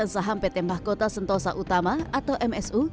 empat puluh sembilan saham pt mahkota sentosa utama atau msu